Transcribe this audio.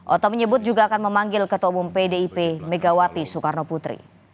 oto menyebut juga akan memanggil ketua umum pdip megawati soekarno putri